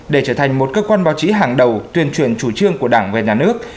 để trở thành một cơ quan báo chí hàng đầu tuyên truyền chủ trương của đảng về nhà nước